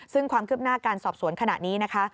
ซึ่งความคืบหน้าการสอบสวนขณะนี้นะคะ